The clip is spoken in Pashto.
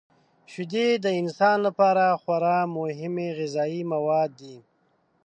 شیدې د انسان لپاره خورا مهمې غذايي مواد دي.